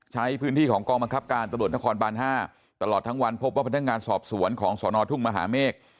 ใช้พื้นที่ของกองบังคับการตำรวจนครบาน๕ตลอดทั้งวันพบว่าพนักงานสอบสวนของสนทุ่งมหาเมฆ